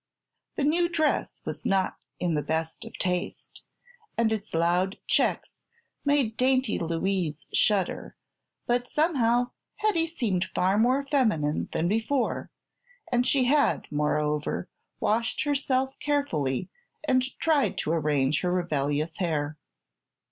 The new dress was not in the best of taste and its loud checks made dainty Louise shudder, but somehow Hetty seemed far more feminine than before, and she had, moreover, washed herself carefully and tried to arrange her rebellious hair.